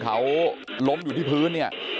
เขาล้มอยู่ที่พื้นเนี่ย